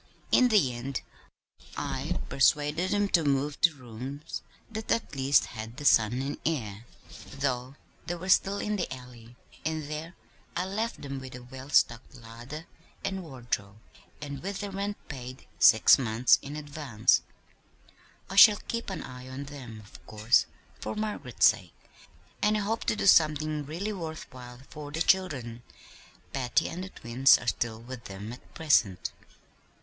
In the end I persuaded them to move to rooms that at least had the sun and air though they were still in the Alley and there I left them with a well stocked larder and wardrobe, and with the rent paid six months in advance. I shall keep my eye on them, of course, for Margaret's sake, and I hope to do something really worth while for the children. Patty and the twins are still with them at present."